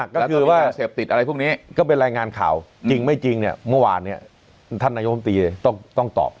ก็คือว่าก็เป็นรายงานข่าวจริงไม่จริงเนี่ยเมื่อวานเนี่ยท่านหน้าโยคมตีเลยต้องตอบ